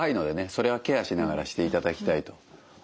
それはケアしながらしていただきたいと思います。